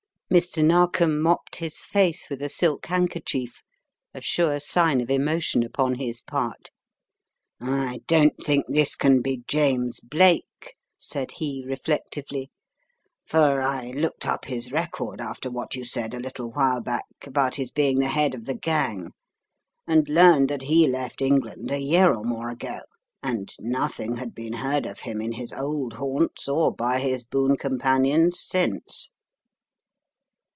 9 » Tightening the Strands 145 Mr. Narkom mopped his face with a silk handker chief, a sure sign of emotion upon his part. "I don't think this can be James Blake/' said he, reflectively, "for I looked up his record after what you said a little while back about his being the head of the gang and learned that he left England a year or more ago, and nothing had been heard of him in his old haunts, or by his boon companions since."